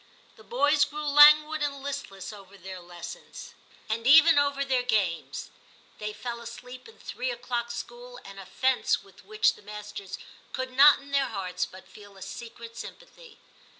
The boys grew languid and listless over their lessons, and even over 286 TIM CHAP. their games. They fell asleep in three oclock school, an offence with which the masters could not in their hearts but feel a secret sympathy.